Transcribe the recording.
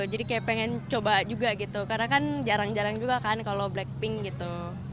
jadi kayak pengen coba juga gitu karena kan jarang jarang juga kan kalau blackpink gitu